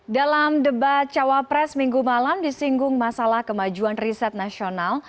dalam debat cawapres minggu malam disinggung masalah kemajuan riset nasional